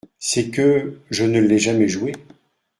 C’est que… je ne l’ai jamais joué !